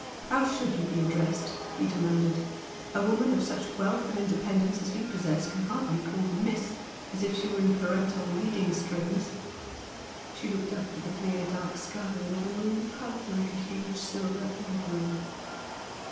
"How should you be addressed?" he demanded, "A woman of such wealth and independence as you possess can hardly be called 'Miss' as if she were in parental leading strings!" She looked up at the clear dark sky where the moon hung like a huge silver air ball.